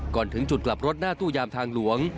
ก่อนถึงจุดกลับรถหน้าตู้ยามทางหลวง